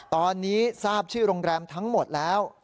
ตอนนี้ทราบชื่อโรงแรมทั้งหมดแล้ว